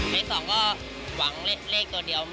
ในสองก็หวังเลขตัวเดียว